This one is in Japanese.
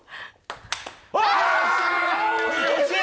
惜しい！